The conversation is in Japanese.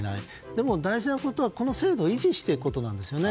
でも大事なことはこの制度を維持していくことなんですよね。